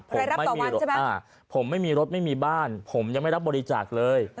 รับต่อวันใช่ไหมอ่าผมไม่มีรถไม่มีบ้านผมยังไม่รับบริจาคเลย